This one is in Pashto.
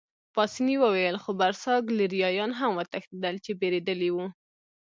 پاسیني وویل: خو برساګلیریایان هم وتښتېدل، چې بېرېدلي ول.